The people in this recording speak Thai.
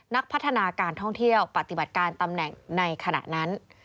นักพัฒนาการท่องเที่ยวปฏิบัติการตำแหน่งในขณะนั้น